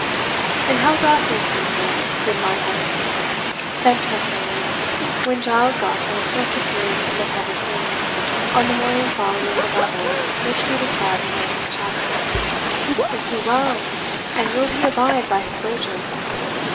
"And how doth your kinsman, good mine host?" said Tressilian, when Giles Gosling first appeared in the public room, on the morning following the revel which we described in the last chapter. "Is he well, and will he abide by his wager?"